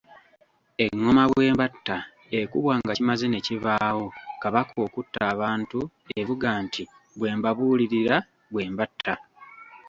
Engoma “Bwembatta” ekubwa nga kimaze ne kibaawo kabaka okutta abantu evuga nti “Bwembabuulirira bwe mbatta.”